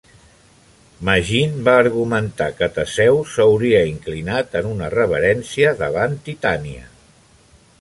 Maginn va argumentar que Teseu s'hauria inclinat en una reverència davant Titania.